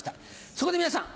そこで皆さん